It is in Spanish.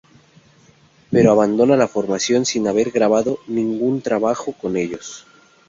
Pero abandona la formación sin haber grabado ningún trabajo con ellos.